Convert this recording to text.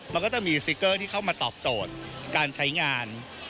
มันก็จะมีสติ๊กเกอร์ที่เข้ามาตอบโจทย์การใช้งาน